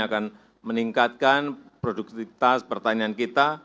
akan meningkatkan produktivitas pertanian kita